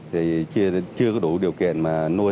thì chưa có đủ điều kiện mà nuôi